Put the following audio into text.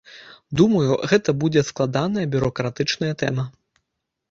Думаю, гэта будзе складаная бюракратычная тэма.